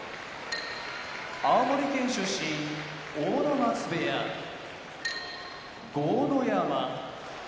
青森県出身阿武松部屋豪ノ山